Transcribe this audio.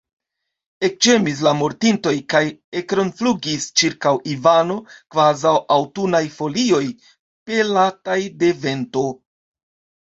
Ekĝemis la mortintoj kaj ekrondflugis ĉirkaŭ Ivano, kvazaŭ aŭtunaj folioj, pelataj de vento.